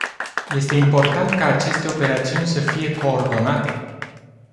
Este important ca aceste operațiuni să fie coordonate.